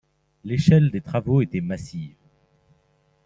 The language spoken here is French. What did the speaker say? L'échelle des travaux était massive.